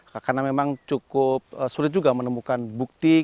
karena memang cukup sulit juga menemukan bukti